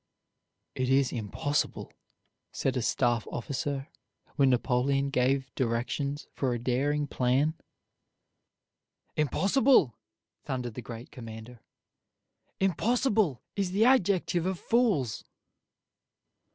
"It is impossible," said a staff officer, when Napoleon gave directions for a daring plan. "Impossible!" thundered the great commander, "impossible is the adjective of fools!"